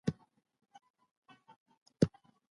که چيرې استدلال ته لاره پرانيستل سوې وای پوهه به عامه سوې وای.